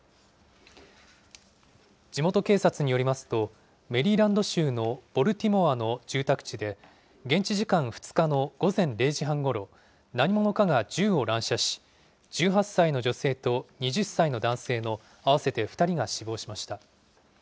地元警察によりますと、メリーランド州のボルティモアの住宅地で、現地時間２日の午前０時半ごろ、何者かが銃を乱射し、１８歳の女性と２０歳の男性の合わせて２人が死亡しました。